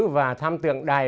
và thăm tượng đài